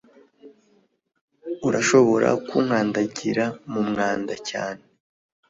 Urashobora kunkandagira mu mwanda cyane